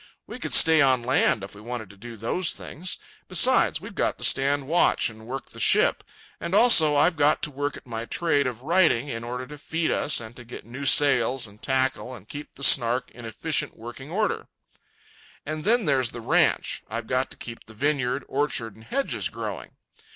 We could stay on land if we wanted to do those things. Besides, we've got to stand watch and work the ship. And also, I've got to work at my trade of writing in order to feed us and to get new sails and tackle and keep the Snark in efficient working order. And then there's the ranch; I've got to keep the vineyard, orchard, and hedges growing.